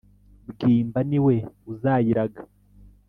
bwimba ni we uzayiraga.